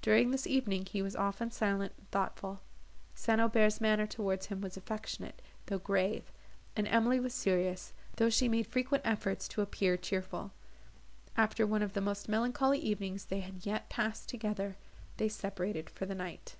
During this evening he was often silent and thoughtful; St. Aubert's manner towards him was affectionate, though grave, and Emily was serious, though she made frequent efforts to appear cheerful. After one of the most melancholy evenings they had yet passed together, they separated for the night.